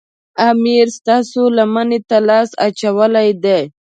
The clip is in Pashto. امیر ستاسو لمنې ته لاس اچولی دی.